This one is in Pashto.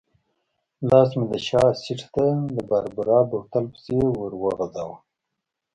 لاس مې د شا سېټ ته د باربرا بوتل پسې ورو غځاوه.